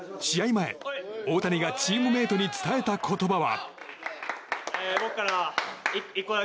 前、大谷がチームメートに伝えた言葉は。